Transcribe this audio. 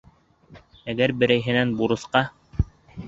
Әгәр берәйһенән бурысҡа...